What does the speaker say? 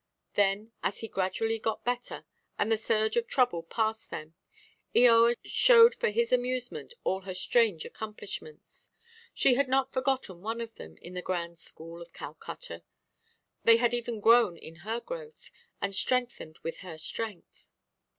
Then, as he gradually got better, and the surge of trouble passed them, Eoa showed for his amusement all her strange accomplishments. She had not forgotten one of them in the grand school at Calcutta. They had even grown with her growth, and strengthened with her strength.